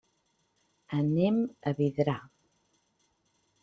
Anem a Vidrà.